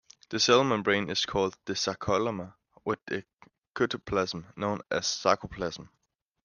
The cell membrane is called the sarcolemma with the cytoplasm known as the sarcoplasm.